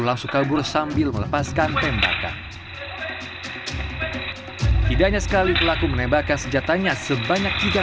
langsung kabur sambil melepaskan tembakan tidaknya sekali pelaku menembakkan sejatanya sebanyak tiga